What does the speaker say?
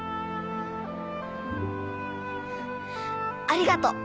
ありがとう。